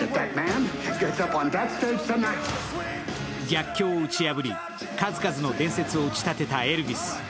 逆境を打ち破り、数々の伝説を打ち立てたエルヴィス。